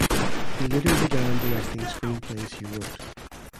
He later began directing screenplays he wrote.